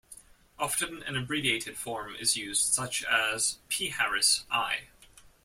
Often an abbreviated form is used, such as "pHarris I".